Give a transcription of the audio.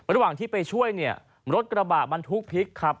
ระหว่างที่ไปช่วยเนี่ยรถกระบะบรรทุกพลิกครับ